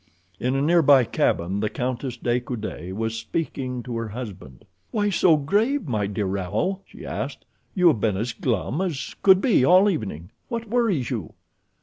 In a nearby cabin the Countess de Coude was speaking to her husband. "Why so grave, my dear Raoul?" she asked. "You have been as glum as could be all evening. What worries you?"